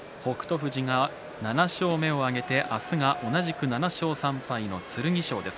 富士が７勝目を挙げて明日は同じく７勝３敗の剣翔と対戦します。